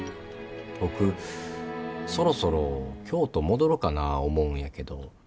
僕そろそろ京都戻ろかな思うんやけど。